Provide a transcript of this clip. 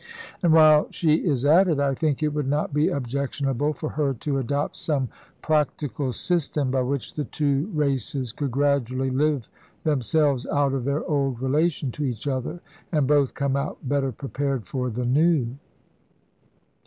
And while she is at it, I think it would not be objectionable for her to adopt some practical system by which the two races could gradually live themselves out of their old relation to each other, and both come out better pre pared for the new.